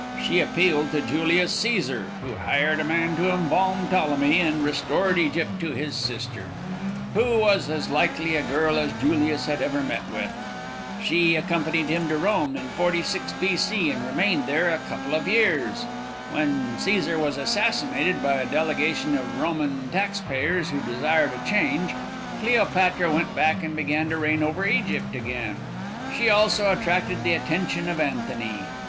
She appealed to Julius Cæsar, who hired a man to embalm Ptolemy, and restored Egypt to his sister, who was as likely a girl as Julius had ever met with. She accompanied him to Rome in 46 B. C., and remained there a couple of years. When Cæsar was assassinated by a delegation of Roman tax payers who desired a change, Cleopatra went back and began to reign over Egypt again. She also attracted the attention of Antony.